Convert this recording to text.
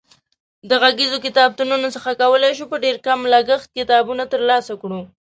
د غږیزو کتابتونونو څخه کولای شو په ډېر کم لګښت کتابونه ترلاسه کړو.